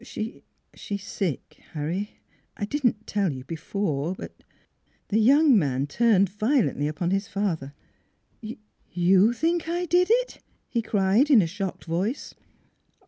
She she's sick, Harry. I didn't tell you before, but " The young man turned violently upon his father. "You you think I did it?" he cried in a shocked voice.